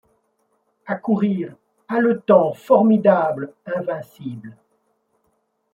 Accourir, haletant, formidable, invincible